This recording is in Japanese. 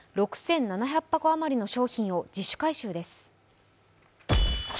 ６７００箱余りの商品を自主回収です。